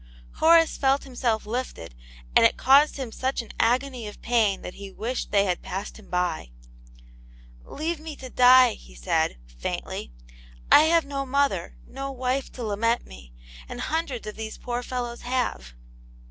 Horace felt himself lifted, and it caused him such an agony of pain that he wished they had passed him by. " Leave me to die," he said, faintly. " I have no mother, no wife to lament me, and hundreds of these poor fellows have."